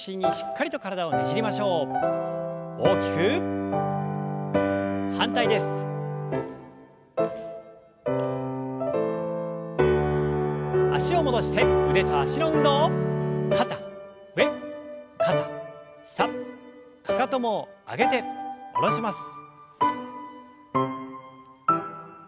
かかとも上げて下ろします。